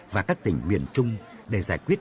và các tỉnh miền trung để giải quyết